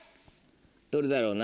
どれだろうな。